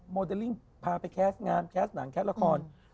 โมเดลลิ่งพาไปแคสต์งานแคสต์หนังแคสละคร